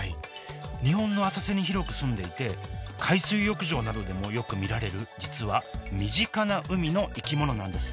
日本の浅瀬に広く住んでいて海水浴場などでもよく見られる実は身近な海の生き物なんです。